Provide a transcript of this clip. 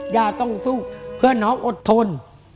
ย่าต้องสู้เพื่อน้องอดทน